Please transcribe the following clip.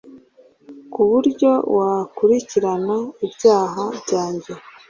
ku buryo wakurikirana ibyaha byanjye